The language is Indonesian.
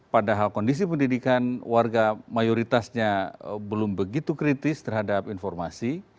padahal kondisi pendidikan warga mayoritasnya belum begitu kritis terhadap informasi